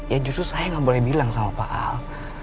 ya justru saya nggak boleh bilang sama pak al